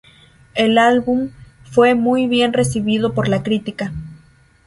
El álbum fue muy bien recibido por la crítica.